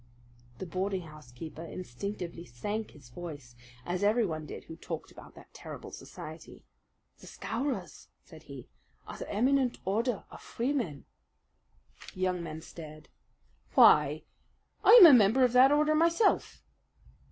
The boarding house keeper instinctively sank his voice, as everyone did who talked about that terrible society. "The Scowrers," said he, "are the Eminent Order of Freemen!" The young man stared. "Why, I am a member of that order myself."